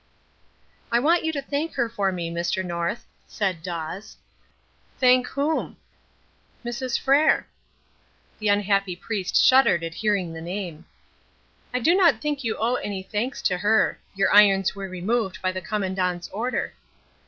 "I want you to thank her for me, Mr. North," said Dawes. "Thank whom?" "Mrs. Frere." The unhappy priest shuddered at hearing the name. "I do not think you owe any thanks to her. Your irons were removed by the Commandant's order."